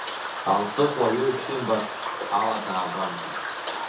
Алҵыкә уаҩы ишимбац ала даагәамҵит.